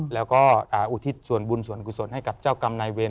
แล้วก็อุทิศส่วนบุญส่วนกุศลให้กับเจ้ากรรมนายเวร